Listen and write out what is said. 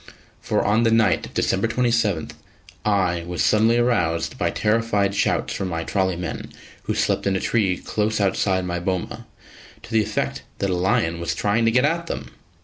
For on the night of December 27, I was suddenly aroused by terrified shouts from my trolley men, who slept in a tree close outside my boma, to the effect that a lion was trying to get at them.